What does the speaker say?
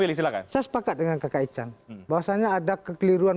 langsung kita lanjutkan